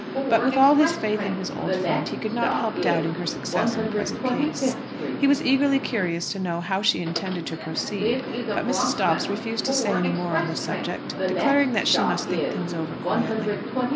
But with all his faith in his old friend, he could not help doubting her success in the present case. He was eagerly curious to know how she intended to proceed; but Mrs. Dobbs refused to say any more on the subject, declaring that she must think things over quietly.